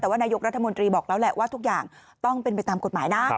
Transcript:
แต่ว่านายกรัฐมนตรีบอกแล้วแหละว่าทุกอย่างต้องเป็นไปตามกฎหมายนะ